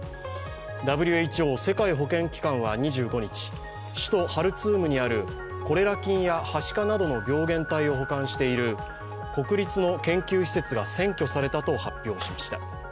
ＷＨＯ＝世界保健機関は２５日、首都ハルツームにあるコレラ菌やはしかなどの病原体を保管している国立の研究施設が占拠されたと発表しました。